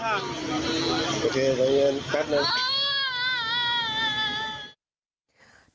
โอเคตอนเย็นแป๊บหนึ่ง